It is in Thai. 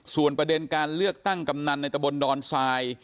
ส่วนประเด็นการเลือกตั้งกำนันในตะบนดอนทราย